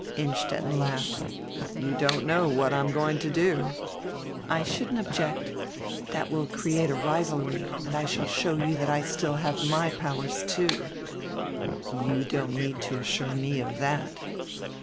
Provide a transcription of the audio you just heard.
Innstetten laughed. "You don't know what I am going to do." "I shouldn't object. That will create a rivalry and I shall show you that I still have my powers, too." "You don't need to assure me of that."